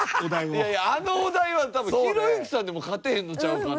いやいやあのお題は多分ひろゆきさんでも勝てへんのちゃうかな。